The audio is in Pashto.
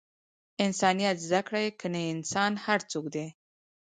انسانیت زده کړئ! کنې انسان هر څوک دئ!